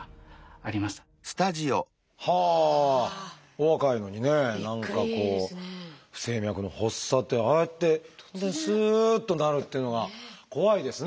お若いのにね何かこう不整脈の発作ってああやって本当にすっとなるっていうのが怖いですね。